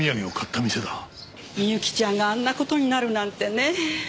みゆきちゃんがあんな事になるなんてねぇ。